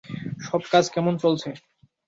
সব কাজ কেমন চলছে?